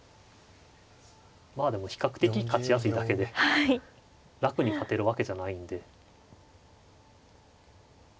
まあでも比較的勝ちやすいだけで楽に勝てるわけじゃないんで。